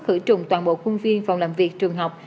khử trùng toàn bộ khuôn viên phòng làm việc trường học